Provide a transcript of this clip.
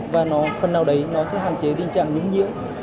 và phần nào đấy nó sẽ hạn chế tình trạng nhúng nhiễu